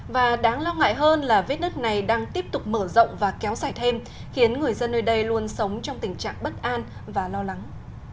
và đáng lo ngại hơn là vết nứt này đang tiếp tục mở rộng và kéo dài thêm khiến người dân nơi đây luôn sống trong tình trạng bất an và lo lắng